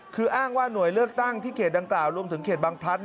คืออ้างว่าหน่วยเลือกตั้งที่เขตดังกล่าวรวมถึงเขตบางพลัด